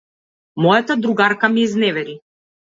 Мојата другарка ме изневери.